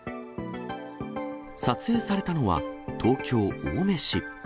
撮影されたのは、東京・青梅市。